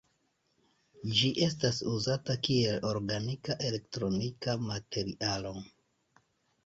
Ĝi estas uzata kiel organika elektronika materialo.